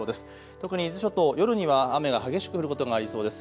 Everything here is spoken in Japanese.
特に伊豆諸島、夜には雨が激しく降ることがありそうです。